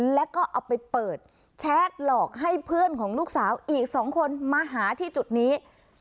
แล้วก็เอาไปเปิดแชทหลอกให้เพื่อนของลูกสาวอีก๒คนมาหาที่จุดนี้